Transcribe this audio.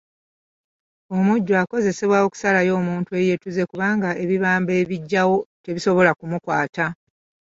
Omujjwa akozesebwa okusalayo omuntu eyeetuze kubanga ebibamba ebigyawo tebisobola kumukwata.